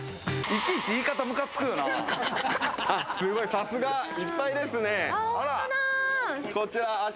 さすが、いっぱいですね。